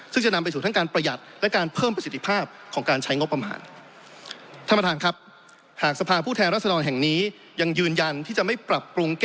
ซึ่งจะนำไปสู่ทั้งการประหยัดและการเพิ่มประสิทธิภาพของการใช้งบประมาณ